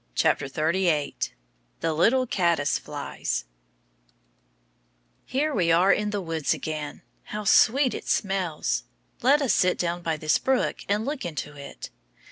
THE LITTLE CADDICE FLIES Here we are in the woods again. How sweet it smells! Let us sit down by this brook and look into it.